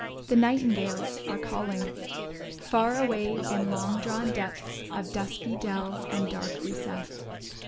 the nightingales are calling / Far away in long drawn depths of dusky dell and dark recess.